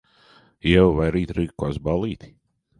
Ieva, vai rīt rīkosi ballīti?